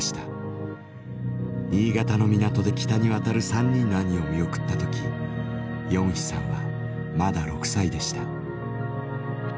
新潟の港で北に渡る３人の兄を見送った時ヨンヒさんはまだ６歳でした。